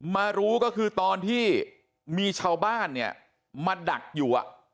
มารู้ก็คือตอนที่มีชาวบ้านเนี่ยมาดักอยู่